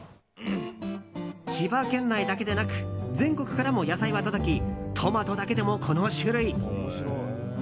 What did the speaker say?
千葉県内だけでなく全国からも野菜は届きトマトだけでも、この種類。